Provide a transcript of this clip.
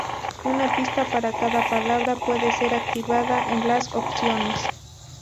Una pista para cada palabra puede ser activada en las opciones.